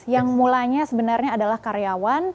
yang mulanya sebenarnya adalah karyawan